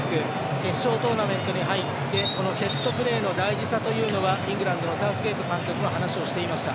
決勝トーナメントに入ってこのセットプレーの大事さというのはイングランドのサウスゲート監督も話をしていました。